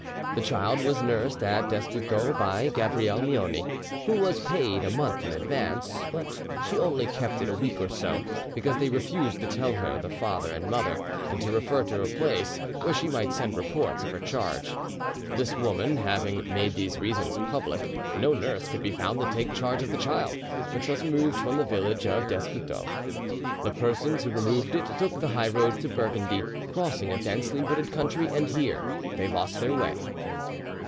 The child was nursed at Descoutoux by Gabrielle Moini, who was paid a month in advance; but she only kept it a week or so, because they refused to tell her the father and mother and to refer her to a place where she might send reports of her charge. This woman having made these reasons public, no nurse could be found to take charge of the child, which was removed from the village of Descoutoux. The persons who removed it took the highroad to Burgundy, crossing a densely wooded country, and here they lost their way.